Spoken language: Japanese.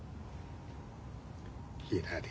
ひらり。